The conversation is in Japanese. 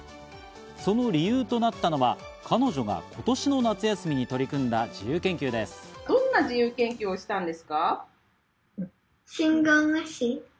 その理由となったのは彼女が今年の夏休みに取り組んだ自由研究です。